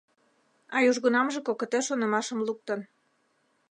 А южгунамже кокыте шонымашым луктын.